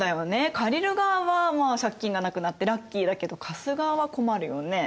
借りる側はまあ借金がなくなってラッキーだけど貸す側は困るよね。